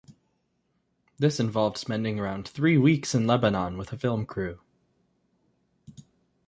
This involved spending around three weeks in Lebanon with a film crew.